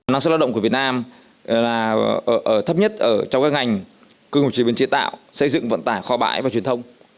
năng suất lao động của việt nam là thấp nhất trong các ngành công nghiệp chế biến chế tạo xây dựng vận tải kho bãi và truyền thông